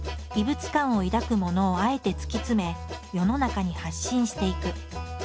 異物感を抱くものをあえて突き詰め世の中に発信していく。